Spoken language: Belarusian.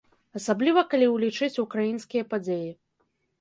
Асабліва калі ўлічыць украінскія падзеі.